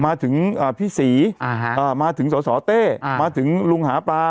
มาถึงอ่าพี่ศรีอ่าฮะมาถึงสสเต้อ่ามาถึงลุงหาปลา